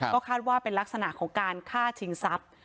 ก็คาดว่าเป็นลักษณะของการฆ่าชิงทรัพย์